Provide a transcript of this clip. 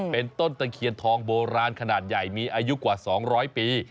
เป็นต้นตะเคียนทองโบราณขนาดใหญ่มีอายุกว่า๒๐๐ปี